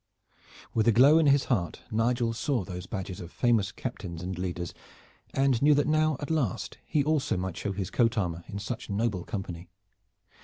With a glow in his heart Nigel saw those badges of famous captains and leaders and knew that now at last he also might show his coat armor in such noble company.